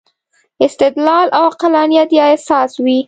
استدلال او عقلانیت یې اساس وي.